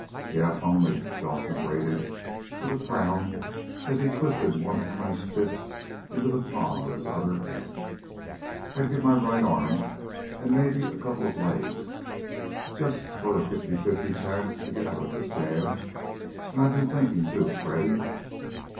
"Yeah, if only!" Dawson grated with a frown as he twisted one clenched fist into the palm of his other hand. "I'd give my right arm, and maybe a couple of legs, just for a fifty fifty chance to get out of this jam. And I've been thinking, too, Freddy."